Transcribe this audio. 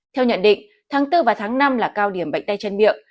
theo nhận định tháng bốn và tháng năm là cao điểm bệnh tay chân miệng